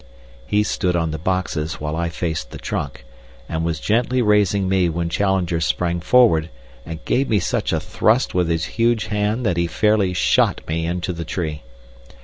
He stood on the boxes while I faced the trunk, and was gently raising me when Challenger sprang forward and gave me such a thrust with his huge hand that he fairly shot me into the tree.